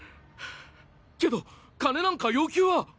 けど金なんか要求は。